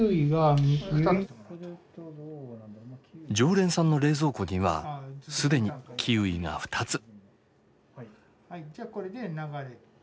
常連さんの冷蔵庫には既にキウイが２つ。